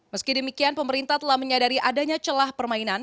meski demikian pemerintah telah menyadari adanya celah permainan